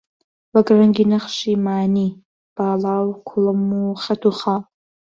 وەک ڕەنگی نەخشی مانی، باڵا و کوڵم و خەت و خاڵ